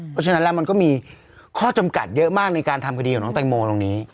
เพราะฉะนั้นแล้วมันก็มีข้อจำกัดเยอะมากในการทำคดีของน้องแตงโมตรงนี้